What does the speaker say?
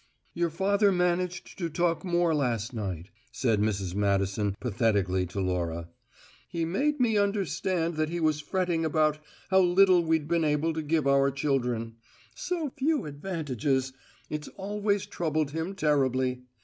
"Your father managed to talk more last night," said Mrs. Madison pathetically to Laura. "He made me understand that he was fretting about how little we'd been able to give our children; so few advantages; it's always troubled him terribly.